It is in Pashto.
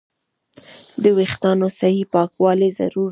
د وېښتیانو صحیح پاکوالی ضروري دی.